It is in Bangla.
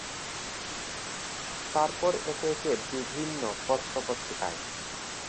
তারপর একে একে বিভিন্ন পত্রপত্রিকায়।